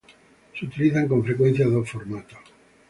Se utilizan con frecuencia dos formatos.